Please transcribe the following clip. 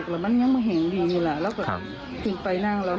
แล้วมันยังมันแห่งดีเวลาแล้วก็ถึงไปนั่งแล้ว